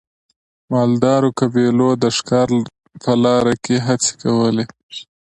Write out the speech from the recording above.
مالدارو قبیلو د ښکار په لاره کې هڅې کولې.